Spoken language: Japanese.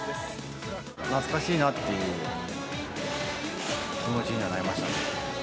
懐かしいなっていう気持ちにはなりましたね。